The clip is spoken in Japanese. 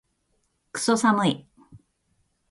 クソ寒い